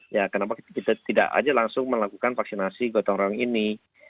ya kenapa kita tidak aja langsung melakukan vaksinasi gotong royong ini